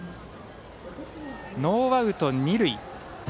ノーアウト二塁。